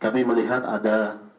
kami melihat ada